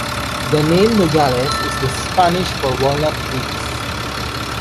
The name "Nogales" is the Spanish for walnut trees.